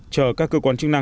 chờ các cơ quan trị